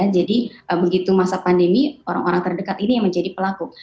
jadi begitu masa pandemi orang orang terdekat ini yang menjadi pelaku